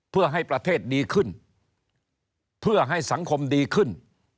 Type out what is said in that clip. เพื่อให้ประเทศดีขึ้นเพื่อให้สังคมดีขึ้น